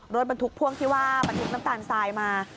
รถบรรทุกพ่วงที่ว่าบรรทุกน้ำตาลทรายมา